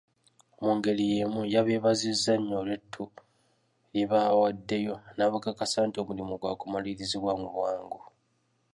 Mu ngeri yeemu, yabeebazizza nnyo olw'ettu lye baawaddeyo n'abakakasa nti omulimu gwakumalirizibwa mu bwangu.